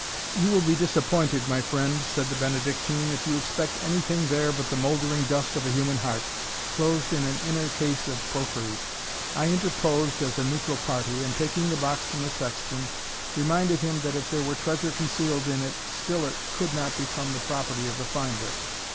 "You will be disappointed, my friend," said the Benedictine, "if you expect any thing there but the mouldering dust of a human heart, closed in an inner case of porphyry." I interposed as a neutral party, and taking the box from the sexton, reminded him, that if there were treasure concealed in it, still it could not become the property of the finder.